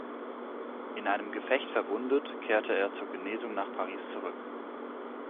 In einem Gefecht verwundet, kehrte er zur Genesung nach Paris zurück.